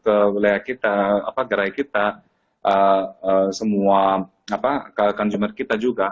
ke wilayah kita gerai kita semua consumer kita juga